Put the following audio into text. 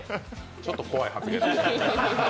ちょっと怖い発言でした。